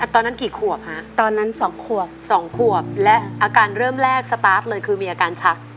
ตอนนั้นกี่ขวบฮะตอนนั้น๒ขวบ๒ขวบและอาการเริ่มแรกสตาร์ทเลยคือมีอาการชัก